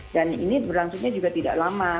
dan ini berlangsungnya juga tidak lama